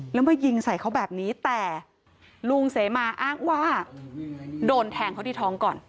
แล้วมายิงใส่เขาแบบนี้แต่ลุงเสมาอ้างว่าโดนแทงเขาที่ท้องก่อน